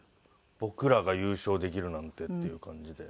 僕らが優勝できるなんてっていう感じで。